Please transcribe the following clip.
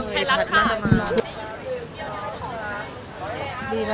เอาออกเอาออกได้ไหมอ่ะ